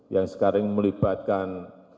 yang sekarang melibatkan